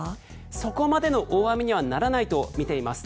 そこまでの大雨にはならないとみています。